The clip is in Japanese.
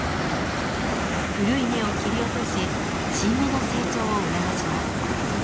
古い芽を切り落とし新芽の成長を促します。